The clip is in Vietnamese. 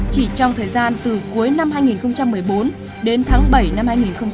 chỉ trong thời gian từ cuối năm hai nghìn một mươi bốn đến tháng bảy năm hai nghìn một mươi chín